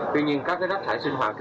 tuy nhiên các rác thải sinh hoạt